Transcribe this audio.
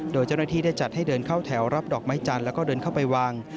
โดยเจ้าหน้าที่ได้จัดให้เดินเข้าแถวรับดอกไม้จันทร์แล้วก็เดินเข้าไปวาง